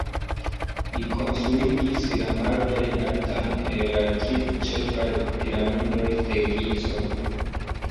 Li konstruigis la malplej altan el la tri ĉefaj Piramidoj de Gizo.